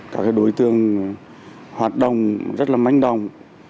các đối tượng hoạt động rất là manh đồng